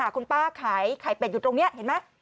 คุณป้าขายไข่เป็ดอยู่ตรงนี้เห็นไหม